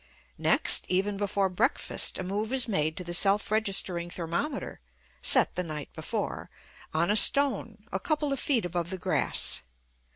Next, even before breakfast, a move is made to the self registering thermometer (set the night before) on a stone, a couple of feet above the grass.